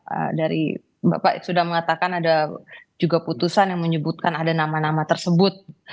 ee dari bapak sudah mengatakan ada juga putusan yang menyebutkan ada nama nama tersebut